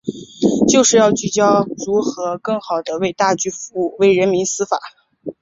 就是要聚焦如何更好地为大局服务、为人民司法